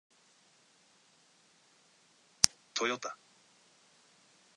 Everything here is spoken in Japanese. トヨタ